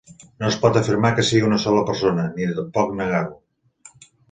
No es pot afirmar que sigui una sola persona, ni tampoc negar-ho.